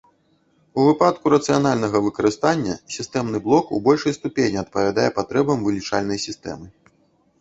У выпадку рацыянальнага выкарыстання, сістэмны блок у большай ступені адпавядае патрэбам вылічальнай сістэмы.